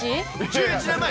１１年前。